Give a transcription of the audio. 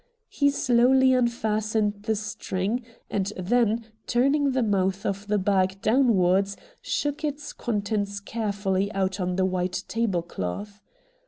He slowly unfastened the string, and then, turning the mouth of the bag downwards, shook its contents carefully out on to the white tablecloth.